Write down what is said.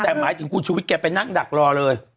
แต่หมายถึงคุณชุวิตแกไปนั่งดักรอเลย